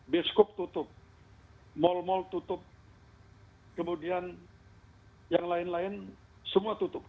biskup tutup mal mal tutup kemudian yang lain lain semua tutup